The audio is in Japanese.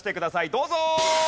どうぞ！